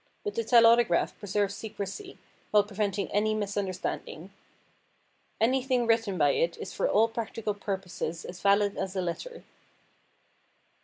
But the telautograph preserves secrecy while preventing any misunderstanding. Anything written by it is for all practical purposes as valid as a letter.